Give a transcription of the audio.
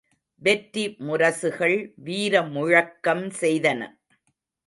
வெற்றி முரசுகள் வீர முழக்கம் செய்தன!